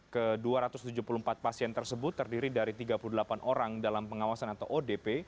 ke dua ratus tujuh puluh empat pasien tersebut terdiri dari tiga puluh delapan orang dalam pengawasan atau odp